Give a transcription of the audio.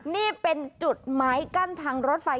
นี่เป็นจุดไม้กั้นทางรถไฟ